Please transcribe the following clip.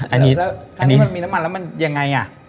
อันนี้มันมีน้ำมันแล้วมันยังไงอ่ะ